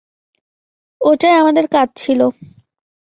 ওটাই আমাদের কাজ ছিল।